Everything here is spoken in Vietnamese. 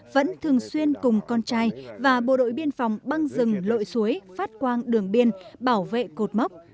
vẫn thường xuyên cùng con trai và bộ đội biên phòng băng rừng lội suối phát quang đường biên bảo vệ cột mốc